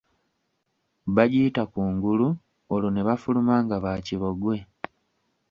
Bagiyita kungulu olwo ne bafuluma nga baakibogwe.